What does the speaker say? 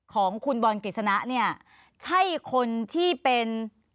ของคุณบอลกฤษณะเนี่ยใช่คนที่เป็น